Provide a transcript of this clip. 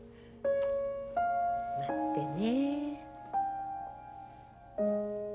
待ってね。